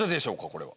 これは。